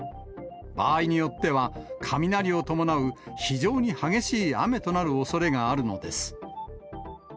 場合によっては、雷を伴う非常に激しい雨となるおそれがあるのです。